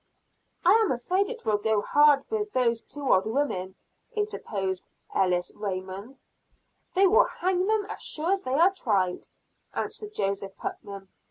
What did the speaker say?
"I am afraid it will go hard with those two old women," interposed Ellis Raymond. "They will hang them as sure as they are tried," answered Joseph Putnam.